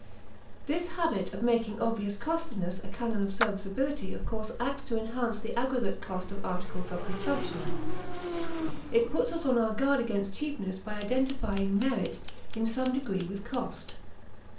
This habit of making obvious costliness a canon of serviceability of course acts to enhance the aggregate cost of articles of consumption. It puts us on our guard against cheapness by identifying merit in some degree with cost.